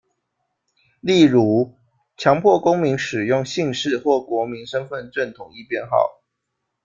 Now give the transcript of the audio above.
例如，强迫公民使用的姓氏或国民身分证统一编号。